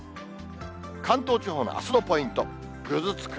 関東地方のあすのポイント、ぐずつく。